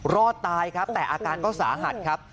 รอดตายครับแต่อาการก็สาหัสครับ